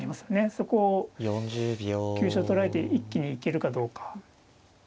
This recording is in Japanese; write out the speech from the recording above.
そこを急所を捉えて一気に行けるかどうか。